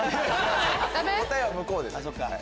答えるのは向こうです。